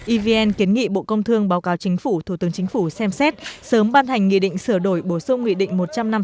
evn kiến nghị bộ công thương báo cáo chính phủ thủ tướng chính phủ xem xét sớm ban hành nghị định sửa đổi bổ sung nghị định một trăm năm mươi bốn